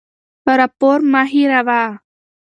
راپور مه هېروه.